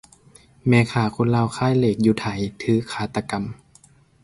ແມ່ຄ້າຄົນລາວຂາຍເລກຢູ່ໄທ ຖືກຄາຕະກຳ